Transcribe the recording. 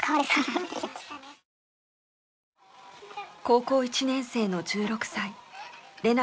高校１年生の１６歳れなさん。